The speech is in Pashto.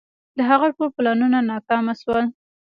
د هغه ټول پلانونه ناکام شول.